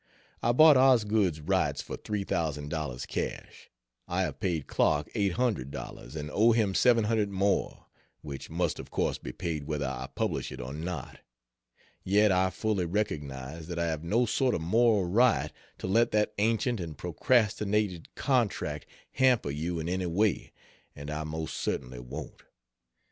I bought Osgood's rights for $3,000 cash, I have paid Clark $800 and owe him $700 more, which must of course be paid whether I publish or not. Yet I fully recognize that I have no sort of moral right to let that ancient and procrastinated contract hamper you in any way, and I most certainly won't.